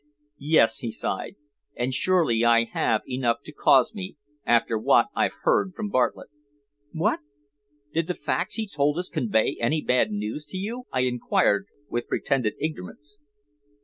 "Yes," he sighed. "And surely I have enough to cause me after what I've heard from Bartlett." "What! Did the facts he told us convey any bad news to you?" I inquired with pretended ignorance.